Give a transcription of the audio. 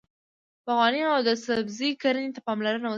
باغواني او د سبزۍ کرنې ته پاملرنه وشوه.